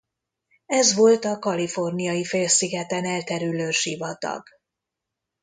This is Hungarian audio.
Ez volt a Kaliforniai-félszigeten elterülő sivatag.